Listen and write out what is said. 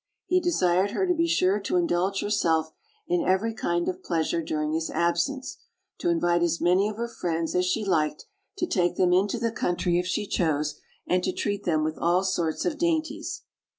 He desired her to be sure to indulge herself in every kind of pleasure during his absence; to invite as many of her friends as she liked, to take them into the country if she chose, and to treat them with all sorts of dainties.